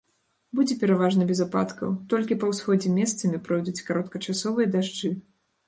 Будзе пераважна без ападкаў, толькі па ўсходзе месцамі пройдуць кароткачасовыя дажджы.